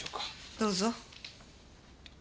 どうぞ。